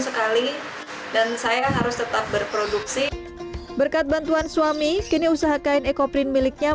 sekali dan saya harus tetap berproduksi berkat bantuan suami kini usaha kain ekoprin miliknya